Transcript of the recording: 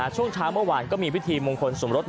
ช่วงเช้าเมื่อวานก็มีพิธีมงคลสมรส